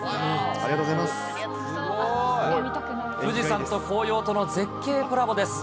富士山と紅葉との絶景コラボです。